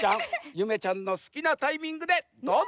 ゆめちゃんのすきなタイミングでどうぞ。